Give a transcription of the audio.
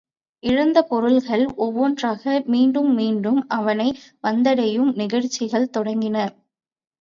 இழந்த பொருள்கள் ஒவ்வொன்றாக மீண்டும் மீண்டும் அவனை வந்தடையும் நிகழ்ச்சிகள் தொடங்கின.